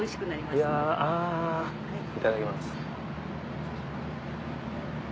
いやあいただきます。